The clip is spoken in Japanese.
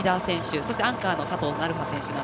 そしてアンカーの佐藤成葉選手。